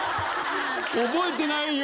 覚えてないよ！